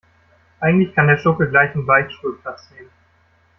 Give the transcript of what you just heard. Eigentlich kann der Schurke gleich im Beichtstuhl Platz nehmen.